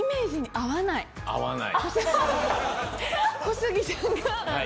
合わない。